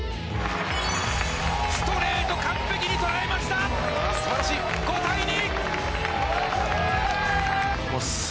ストレート完璧に捉えました、５対２！